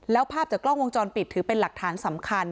แล้วภาพจากกล้องวงจรปิดถือเป็นหลักฐานสำคัญ